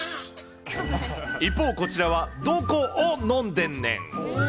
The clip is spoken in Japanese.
一方こちらは、どこを飲んでんねん。